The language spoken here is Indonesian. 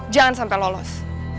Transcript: jangan sampai lolos